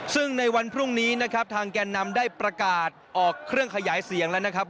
ซึ่งในวันพรุ่งนี้นะครับทางแก่นนำได้ประกาศออกเครื่องขยายเสียงแล้วนะครับ